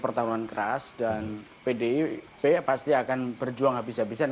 pertarungan keras dan pdip pasti akan berjuang habis habisan